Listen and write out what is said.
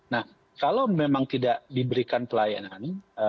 nah kalau memang tidak diberikan pelayanan